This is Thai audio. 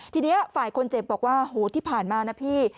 ทีนี้ฝ่ายคนเจ็บบอกว่าโหที่ผ่านมานะพี่